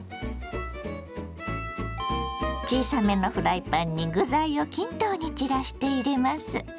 小さめのフライパンに具材を均等に散らして入れます。